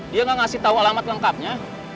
dia gak ngasih tau alamat lengkapnya